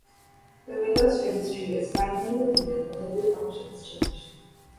The Windows Registry is finally deleted, and the boot options changed.